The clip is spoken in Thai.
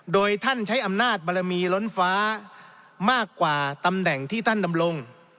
โดยท่านใช้อำนาจบารมีล้นฟ้ามากกว่าตำแหน่งที่ท่านดำรง